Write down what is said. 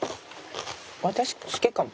私好きかも。